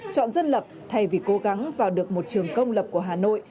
chọn dân lập thay vì cố gắng vào được một trường công lập của hà nội